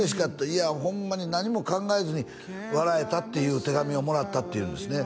「いやホンマに何も考えずに笑えた」っていう手紙をもらったっていうんですね